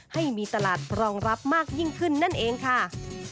ให้มีตลาดรองรับมากยิ่งขึ้นนั่นเองค่ะ